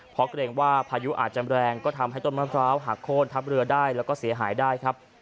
เพราะเกรงว่าพายุอาจจะแรงก็ทำให้ต้นมะพร้าวหักโค้นทับเรือได้แล้วก็เสียหายได้ครับ